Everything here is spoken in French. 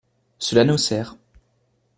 Cela nous sert.